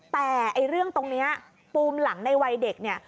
แต่เรื่องตรงนี้ปูมหลังในวัยเด็กเนี่ย